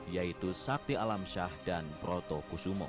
yaitu sakti alam syah dan proto kusumo